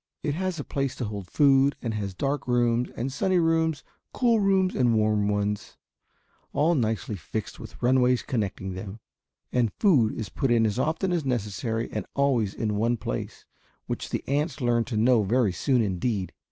It has a place to hold food and has dark rooms and sunny rooms, cool rooms and warm ones, all nicely fixed with runways connecting them, and food is put in as often as necessary and always in one place, which the ants learn to know very soon, indeed.